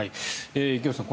池内さん